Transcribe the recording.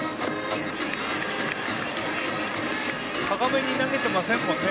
高めに投げていませんね。